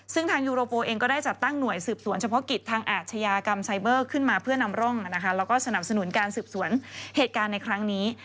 ซึ่งทางยูโรโปเองก็ได้จัดตั้งหน่วยสืบสวนเฉพาะกิจทางอาชญากรรมไซเบอร์ขึ้นมาเพื่อนำร่องแล้วก็สนับสนุนการสืบสวนเหตุการณ์ในครั้งนี้